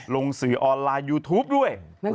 ลงสื่อออนไลน์ยูทูปด้วย